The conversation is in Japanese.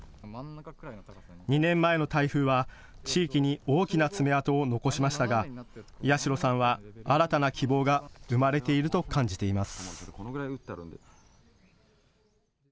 ２年前の台風は地域に大きな爪痕を残しましたが八代さんは新たな希望が生まれていると感じています。